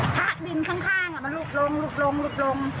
ชะดินข้างมันลุกลง